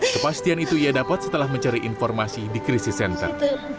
kepastian itu ia dapat setelah mencari informasi di krisis center